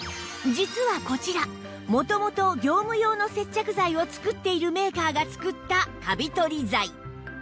実はこちら元々業務用の接着剤を作っているメーカーが作ったカビ取り剤